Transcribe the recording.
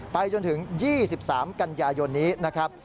ไปจนถึง๒๓กันยายนนี้นะครับ